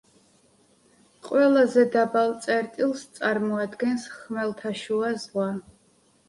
ყველაზე დაბალ წერტილს წარმოადგენს ხმელთაშუა ზღვა.